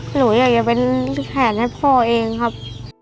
หนูอยากจะเป็นแขนให้พ่อเองครับ